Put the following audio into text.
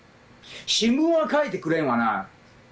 新聞は書いてくれんわな。